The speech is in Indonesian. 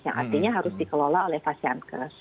yang artinya harus dikelola oleh fashiankes